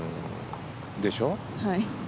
でしょ？